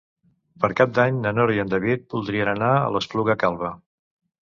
Per Cap d'Any na Nora i en David voldrien anar a l'Espluga Calba.